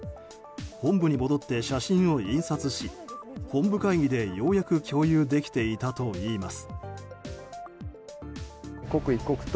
本部に戻って写真を印刷し本部会議でようやく共有できていたといいます。